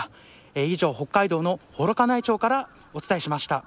以上、北海道の幌加内町からお伝えしました。